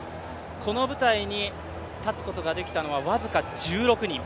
この舞台に立つことができたのは、僅か１６人。